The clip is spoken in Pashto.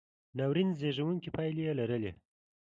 ناورین زېږوونکې پایلې یې لرلې.